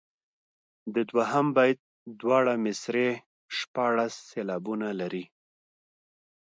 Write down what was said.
د دوهم بیت دواړه مصرعې شپاړس سېلابونه لري.